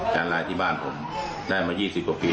จารย์ไลที่บ้านผมได้มาอยู่๒๐กว่าปี